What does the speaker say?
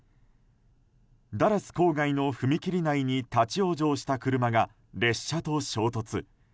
ダラス郊外の踏切内に立ち往生した車が列車と衝突。